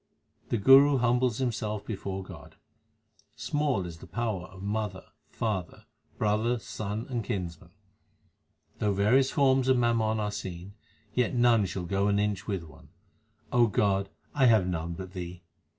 The Guru humbles himself before God : Small is the power of mother, father, brother, son, and kinsman. Though various forms of mammon are seen, yet none shall go an inch with one. God, I have none but Thee.